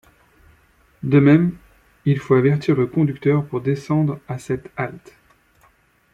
De même, il faut avertir le conducteur pour descendre à cette halte.